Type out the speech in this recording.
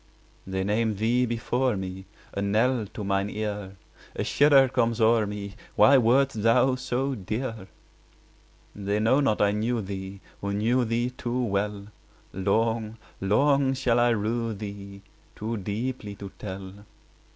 They name thee before me, A knell to mine ear; A shudder comes o'er me— Why wert thou so dear? 20 They know not I knew thee, Who knew thee too well: Long, long shall I rue thee, Too deeply to tell.